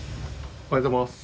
おはようございます。